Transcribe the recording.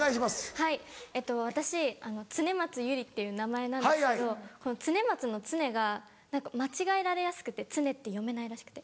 はいえっと私恒松祐里っていう名前なんですけど恒松の「恒」が間違えられやすくて「つね」って読めないらしくて。